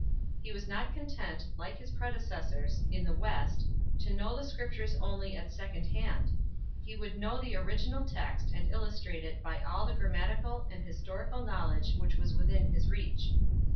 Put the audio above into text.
He was not content, like his prede cessors in the West, to know the Scriptures only at second hand ; he would know the original text, and illustrate it by all the grammatical and historical knowledge which was within his reach.